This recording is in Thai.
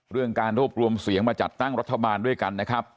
เรื่องการรวบรวมเสียงมาจัดตั้งรัฐบาลด้วยกันนะครับ